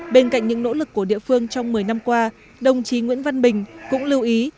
bên cạnh những nỗ lực của địa phương trong một mươi năm qua đồng chí nguyễn văn bình cũng lưu ý